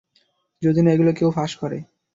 যদি না এগুলো কেউ ফাঁস করে।